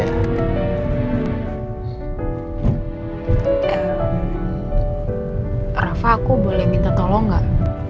rafa aku boleh minta tolong gak